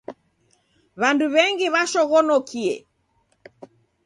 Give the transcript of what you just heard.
W'andu w'engi w'ashoghonokie